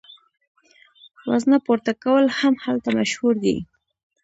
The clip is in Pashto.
وزنه پورته کول هم هلته مشهور دي.